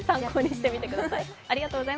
ぜひ参考にしてみてください。